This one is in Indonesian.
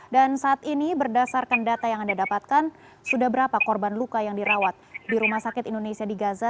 dan saat ini berdasarkan data yang anda dapatkan sudah berapa korban luka yang dirawat di rumah sakit indonesia di gaza